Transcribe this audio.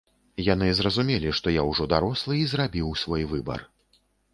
Яны зразумелі, што я ўжо дарослы, і зрабіў свой выбар.